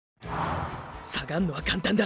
下がんのは簡単だ。